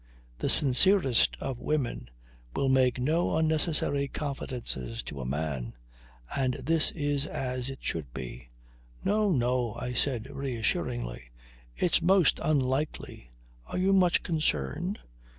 The sincerest of women will make no unnecessary confidences to a man. And this is as it should be. "No no!" I said reassuringly. "It's most unlikely. Are you much concerned?"